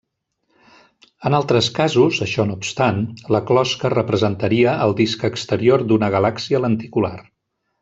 En altres casos, això no obstant, la closca representaria el disc exterior d'una galàxia lenticular.